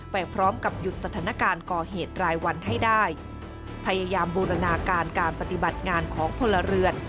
ไปพร้อมกับหยุดสถานการณ์ก่อเหตุรายวันให้ได้พยายามบูรณาการการปฏิบัติงานของพลเรือน